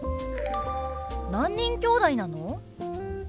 何人きょうだいなの？